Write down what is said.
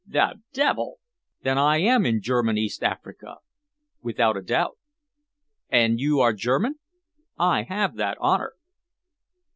"The devil! Then I am in German East Africa?" "Without a doubt." "And you are German?" "I have that honour."